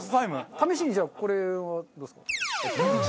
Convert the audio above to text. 試しにじゃあこれはどうですか？